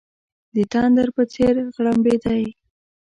د تندر په څېر غړمبېدی.